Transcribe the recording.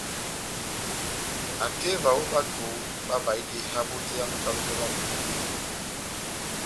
Akeva ó bato bavahidi ehavo tɛ́h yá nʼkalo mwá Bapuku yé.